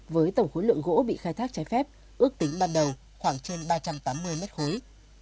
với tổng khối lượng gỗ bị khai thác trái phép ước tính ban đầu khoảng trên ba trăm tám mươi mét khối